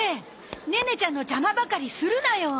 ネネちゃんの邪魔ばかりするなよ！